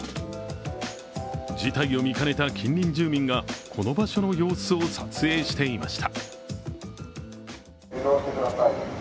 事態を見かねた近隣住民がこの場所の様子を撮影していました。